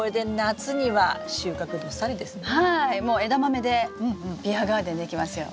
もうエダマメでビアガーデンできますよ。